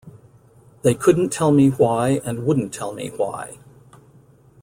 They couldn't tell me why and wouldn't tell me why.